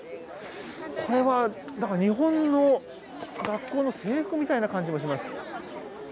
これは日本の学校の制服みたいな感じもします。